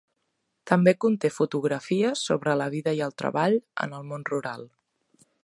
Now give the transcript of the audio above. També conté fotografies sobre la vida i el treball en el món rural.